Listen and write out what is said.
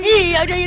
iya yaudah ya